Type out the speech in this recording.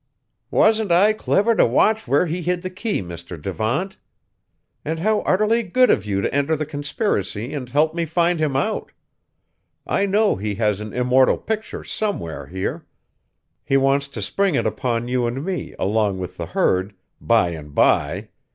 "Wasn't I clever to watch where he hid the key, Mr. Devant? And how utterly good of you to enter the conspiracy and help me find him out! I know he has an immortal picture somewhere here! He wants to spring it upon you and me along with the herd, by and by.